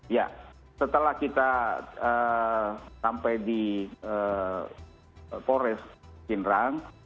ya setelah kita sampai di polres pindrang